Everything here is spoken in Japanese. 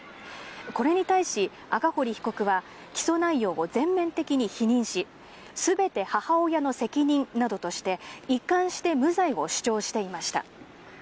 これに対し、赤堀被告は、起訴内容を全面的に否認し、すべて母親の責任などとして、一貫して無罪を主張していました。